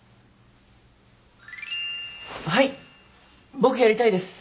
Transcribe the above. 僕やりたいです。